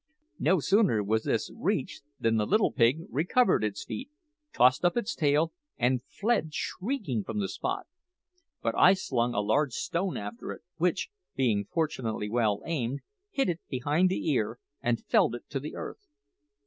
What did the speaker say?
No sooner was this reached than the little pig recovered its feet, tossed up its tail, and fled shrieking from the spot. But I slung a large stone after it, which, being fortunately well aimed, hit it behind the ear and felled it to the earth.